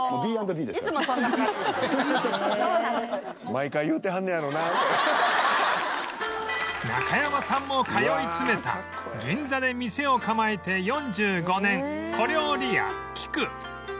「毎回言うてはんねやろなこれ」中山さんも通い詰めた銀座で店を構えて４５年小料理屋きく